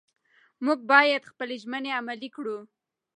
موږ باید خپلې ژمنې عملي کړو